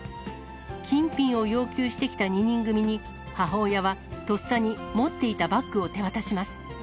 金品を要求してきた２人組に、母親は、とっさに持っていたバッグを手渡します。